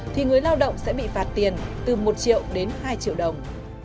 thì người lao động sẽ bị phạt tiền từ một triệu đến hai triệu đồng